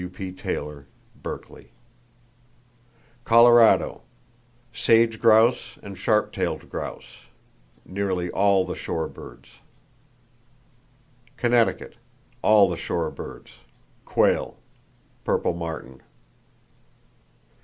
—(W.P. Taylor, Berkeley.) Colorado: Sage grouse and sharp tailed grouse; nearly all the shore birds. Connecticut: All the shore birds; quail, purple martin.